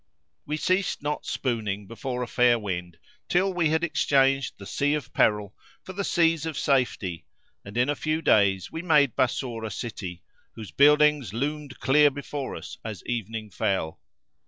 We ceased not spooning before a fair wind till we had exchanged the sea of peril for the seas of safety and, in a few days, we made Bassorah city, whose buildings loomed clear before us as evening fell.